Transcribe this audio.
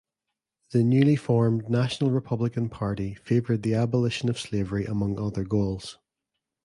The newly formed national Republican Party favored the abolition of slavery among other goals.